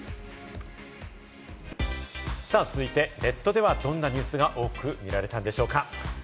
続いて、ネットではどんなニュースが多く見られたんでしょうか？